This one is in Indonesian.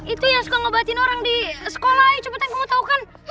itu yang suka ngebatin orang di sekolah coba teng kamu tahu kan